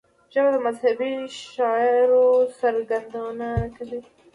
ژبه د مذهبي شعائرو څرګندونه کوي